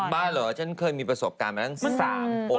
บ้าเหรอฉันเคยมีประสบการณ์มาตั้ง๑๓คน